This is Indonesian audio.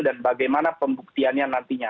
dan bagaimana pembuktiannya nantinya